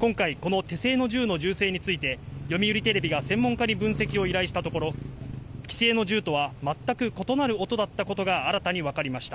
今回、この手製の銃の銃声について、読売テレビが専門家に分析を依頼したところ、既製の銃とは全く異なる音だったことが新たに分かりました。